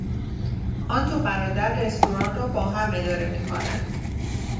آن دو برادر رستوران رابا هم اداره میکنند.